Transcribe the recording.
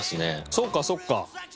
そうかそうか。